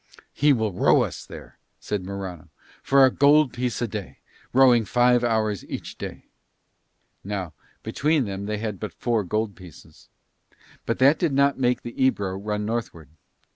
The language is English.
"He will row us there," said Morano, "for a gold piece a day, rowing five hours each day." Now between them they had but four gold pieces; but that did not make the Ebro run northward.